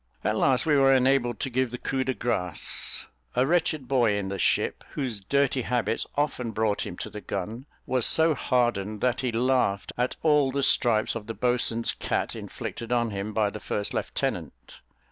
At last we were enabled to give the coup de grace. A wretched boy in the ship, whose dirty habits often brought him to the gun, was so hardened that he laughed at all the stripes of the boatswain's cat inflicted on him by the first lieutenant.